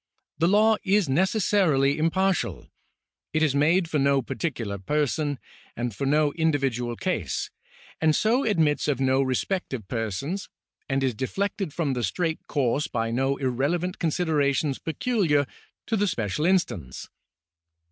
The law is necessarily impartial. It is made for no particular person, and for no individual case, and so admits of no respect of persons, and is deflected from the straight course by no irrelevant considerations peculiar to the special instance.